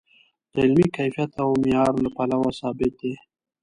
د علمي کیفیت او معیار له پلوه ثابت دی.